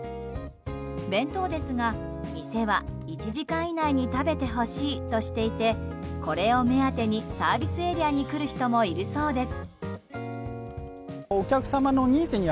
弁当ですが、店は１時間以内に食べてほしいとしていてこれを目当てにサービスエリアに来る人もいるそうです。